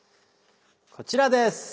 こちらです。